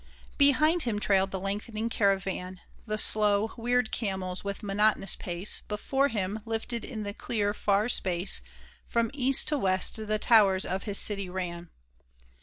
Behind him trailed the lengthening caravan — The slow, weird camels, with monotonous pace ; Before him, lifted in the clear, far space. From east to west the towers of his city ran